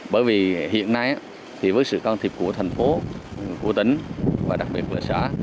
bởi vì hiện nay với sự con thiệp của thành phố của tỉnh và đặc biệt của sở